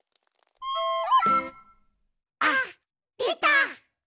あっでた！